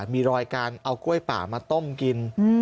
มีรอยการเอากล้วยป่ามาต้มกิน